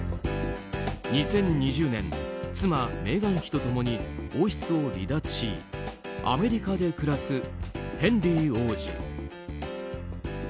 ２０２０年妻メーガン妃と共に王室を離脱しアメリカで暮らすヘンリー王子。